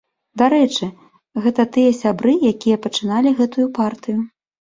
Дарэчы, гэта тыя сябры, якія пачыналі гэтую партыю.